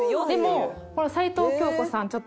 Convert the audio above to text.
でもこの齊藤京子さん